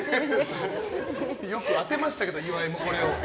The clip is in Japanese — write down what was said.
よく当てましたけど岩井もこれを。